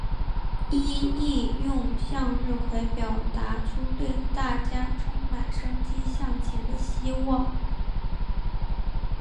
伊秩用向日葵表达出对大家充满生机向前的希望。